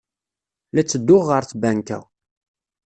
La ttedduɣ ɣer tbanka.